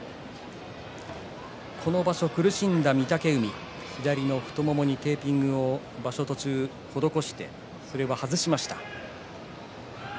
この場所、苦しんだ御嶽海左の太ももにテーピング場所途中に施してそれが外しました。